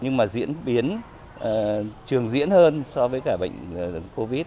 nhưng mà diễn biến trường diễn hơn so với cả bệnh covid một mươi chín